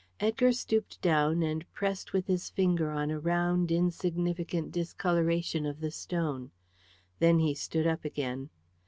Edgar stooped down and pressed with his finger on a round insignificant discolouration of the stone. Then he stood up again.